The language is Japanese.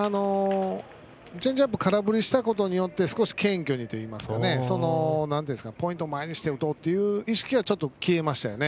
チェンジアップを空振りしたことによって少し謙虚にというかポイントを前にして打とうという意識は消えましたね。